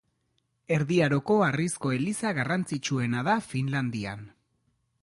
Erdi Aroko harrizko eliza garrantzitsuena da Finlandian.